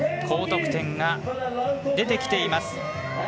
高得点が出てきています。